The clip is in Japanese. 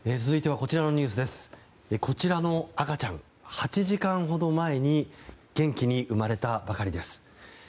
こちらの赤ちゃん８時間ほど前に元気に生まれたばかりです。